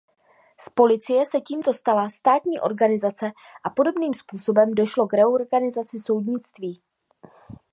Z policie se tímto stala státní organizace a podobným způsobem došlo k reorganizaci soudnictví.